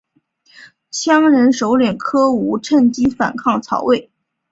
羌人首领柯吾趁机反抗曹魏。